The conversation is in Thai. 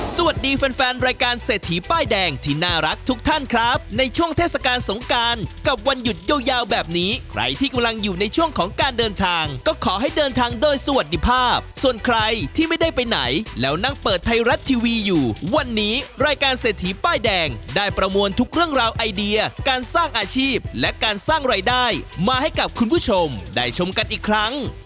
สวัสดีแฟนแฟนรายการเศรษฐีป้ายแดงที่น่ารักทุกท่านครับในช่วงเทศกาลสงการกับวันหยุดยาวแบบนี้ใครที่กำลังอยู่ในช่วงของการเดินทางก็ขอให้เดินทางโดยสวัสดีภาพส่วนใครที่ไม่ได้ไปไหนแล้วนั่งเปิดไทยรัดทีวีอยู่วันนี้รายการเศรษฐีป้ายแดงได้ประมวลทุกเรื่องราวไอเดียการสร้างอา